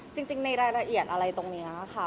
จริงในรายละเอียดอะไรตรงนี้ค่ะ